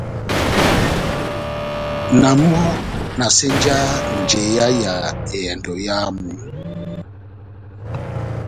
Na mɔ na senjaha njeya ya ehɛndɔ yámu.